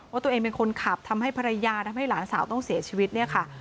ว่าตัวเองเป็นคนขับทำให้ภรรยาทำให้หลานสาวต้องเสียชีวิตเนี่ยค่ะ